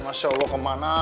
masya allah kemana